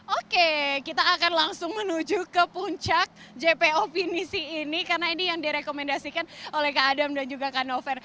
oke kita akan langsung menuju ke puncak jpo pinisi ini karena ini yang direkomendasikan oleh kak adam dan juga kak novel